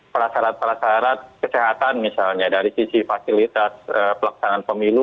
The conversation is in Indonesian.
persyarat persyarat kesehatan misalnya dari sisi fasilitas pelaksanaan pemilu